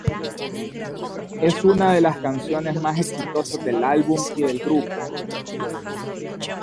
Es una de las canciones más exitosas del álbum y del grupo.